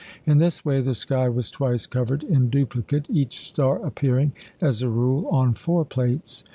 In this way the sky was twice covered in duplicate, each star appearing, as a rule, on four plates.